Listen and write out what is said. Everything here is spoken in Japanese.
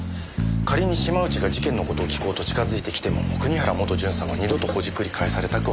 仮に島内が事件の事を聞こうと近づいてきても国原元巡査は二度とほじくり返されたくはなかった。